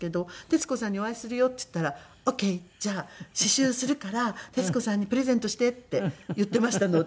「徹子さんにお会いするよ」って言ったら「オーケー。じゃあ刺繍するから徹子さんにプレゼントして」って言っていましたので。